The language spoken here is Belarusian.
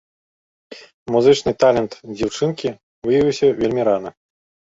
Музычны талент дзяўчынкі выявіўся вельмі рана.